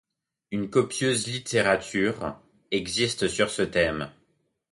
Une copieuse littérature existe sur ce thème.